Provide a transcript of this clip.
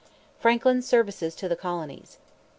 FRANKLIN'S SERVICES TO THE COLONIES.